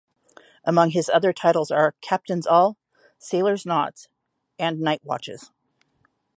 Among his other titles are "Captains All", "Sailors' Knots", and "Night Watches".